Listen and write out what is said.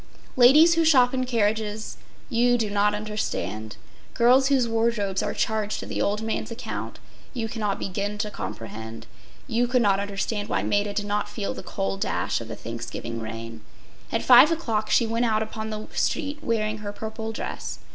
Ladies who shop in carriages, you do not understand. Girls whose wardrobes are charged to the old man’s account, you cannot begin to comprehend—you could not understand why Maida did not feel the cold dash of the Thanksgiving rain. At five o’clock she went out upon the street wearing her purple dress.